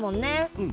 うん。